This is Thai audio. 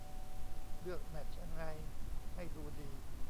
เลือกแมตช์ยังไงให้ดูดี